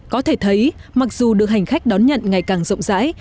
có thể thấy mặc dù được hành khách đón nhận ngày càng rộng rãi